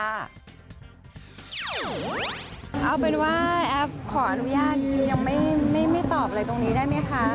เอาเป็นว่าแอฟขออนุญาตยังไม่ตอบอะไรตรงนี้ได้ไหมคะ